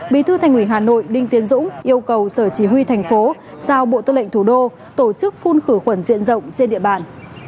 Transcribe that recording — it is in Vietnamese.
bí thư thành ủy hà nội đinh tiến dũng yêu cầu sở chỉ huy thành phố giao bộ tư lệnh thủ đô tổ chức phun khử khuẩn diện rộng trên địa bàn